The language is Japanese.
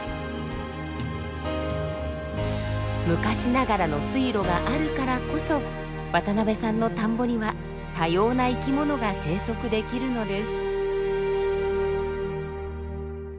昔ながらの水路があるからこそ渡部さんの田んぼには多様な生きものが生息できるのです。